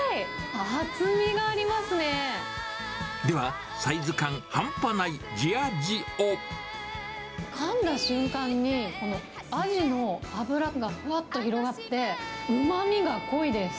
厚みがありますでは、かんだ瞬間にこの味の脂がふわっと広がって、うまみが濃いです。